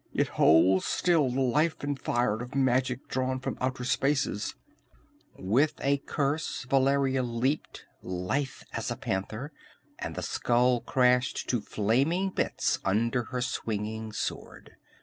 It holds still the life and fire of magic drawn from outer spaces!" With a curse Valeria leaped, lithe as a panther, and the skull crashed to flaming bits under her swinging sword.